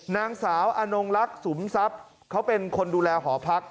การองลักษณ์สุมทรัพย์เขาเป็นคนดูแลหอพัก